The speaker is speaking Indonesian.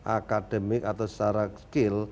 akademik atau secara skill